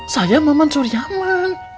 saya maman suherman